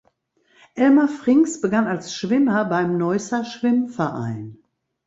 Elmar Frings begann als Schwimmer beim Neusser Schwimmverein.